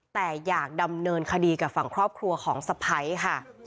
แต่อยากดำเนินคดีกับฝั่งครอบครัวของสะพ้ายค่ะ